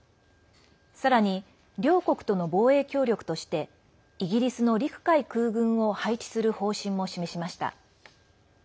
さらに、両国との防衛協力としてイギリスの陸海空軍を配置する方針も示しました。